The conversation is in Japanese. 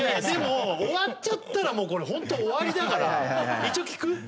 でも終わっちゃったらもうこれホント終わりだから一応聞く？